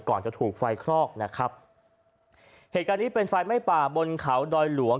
ก่อนจะถูกไฟคลอกนะครับเหตุการณ์นี้เป็นไฟไหม้ป่าบนเขาดอยหลวง